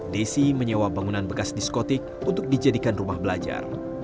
desi menyewa bangunan bekas diskotik untuk dijadikan rumah belajar